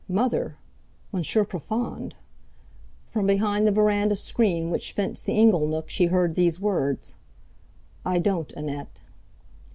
Mother! Monsieur Profond! From behind the verandah screen which fenced the ingle nook she heard these words: "I don't, Annette."